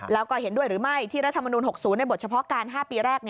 แล้วก็เห็นด้วยหรือไม่ที่รัฐมนุน๖๐ในบทเฉพาะการ๕ปีแรก